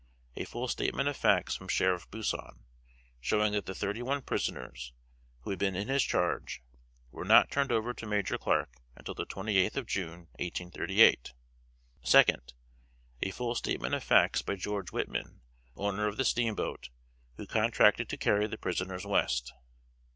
A full statement of facts from Sheriff Buisson, showing that the thirty one prisoners, who had been in his charge, were not turned over to Major Clark until the twenty eighth of June, 1838. Second. A full statement of facts by George Whitman, owner of the steamboat, who contracted to carry the prisoners West.